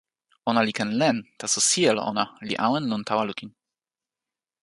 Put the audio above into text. ona li ken len, taso sijelo ona li awen lon tawa lukin.